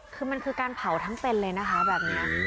คือมันคือการเผาทั้งเป็นเลยนะคะแบบนี้